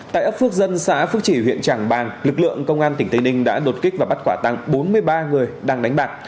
tại ấp phước dân xã phước chỉ huyện trảng bàng lực lượng công an tỉnh tây ninh đã đột kích và bắt quả tăng bốn mươi ba người đang đánh bạc